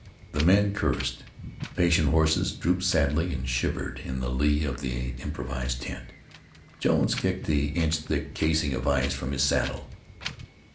The men cursed. The patient horses drooped sadly, and shivered in the lee of the improvised tent. Jones kicked the inch thick casing of ice from his saddle.